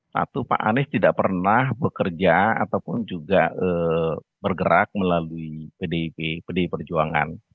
satu pak anies tidak pernah bekerja ataupun juga bergerak melalui pdip pdi perjuangan